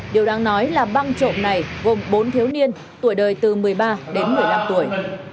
điều đáng nói là băng trộm này gồm bốn thiếu niên tuổi đời từ một mươi ba đến một mươi năm tuổi